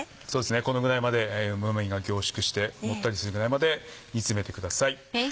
このぐらいまでうま味が凝縮してもったりするぐらいまで煮詰めてください。